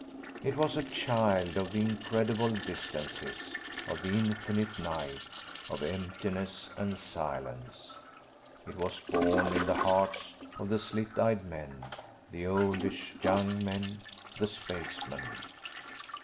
It was a child of the incredible distances, of the infinite night, of emptiness and silence. It was born in the hearts of the slit eyed men, the oldish young men, the spacemen.